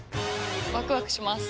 ワクワクします。